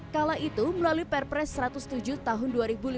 kala itu melalui perpres satu ratus tujuh tahun dua ribu lima belas